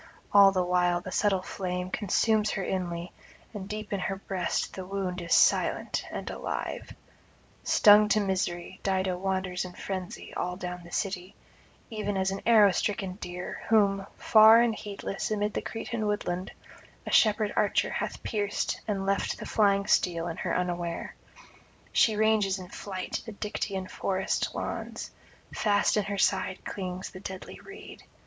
all the while the subtle flame consumes her inly, and deep in her breast the wound is silent and alive. Stung to misery, Dido wanders in frenzy all down the city, even as an arrow stricken deer, whom, far and heedless amid the Cretan woodland, a shepherd archer hath pierced and left the flying steel in her unaware; she ranges in flight the Dictaean forest lawns; fast in her side clings the deadly reed.